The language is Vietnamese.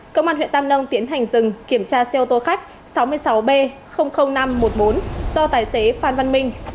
công an huyện tam nông tiến hành dừng kiểm tra xe ô tô khách sáu mươi sáu b năm trăm một mươi bốn do tài xế phan văn minh